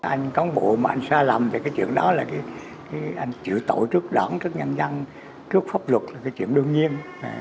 anh có một bộ mà anh xa lầm thì cái chuyện đó là anh chịu tội trước đảng trước nhân dân trước pháp luật là cái chuyện đương nhiên